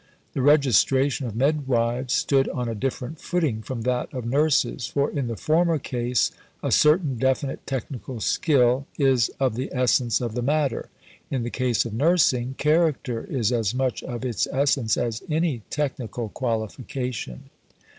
The registration of midwives stood on a different footing from that of nurses; for in the former case, a certain definite technical skill is of the essence of the matter: in the case of nursing, character is as much of its essence as any technical qualification.